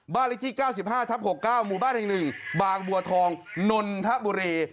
เลขที่๙๕ทับ๖๙หมู่บ้านแห่ง๑บางบัวทองนนทบุรี